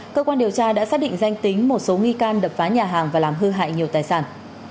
cơ quan điều tra đã xác định danh tính một số nghi can đập phá nhà hàng và làm hư hại nhiều tài sản